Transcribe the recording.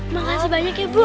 makasih banyak ya bu